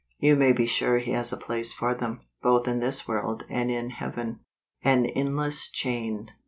You may be sure He has a place for them, both in this world and in Heaven. An Endless Chain.